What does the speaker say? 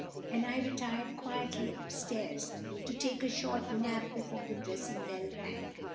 and I retired quietly up stairs to take a short nap before the dressing bell rang.